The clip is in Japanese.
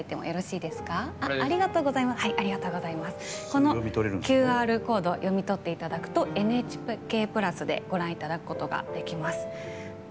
このＱＲコード読み取っていただくとＮＨＫプラスでご覧いただくことができます。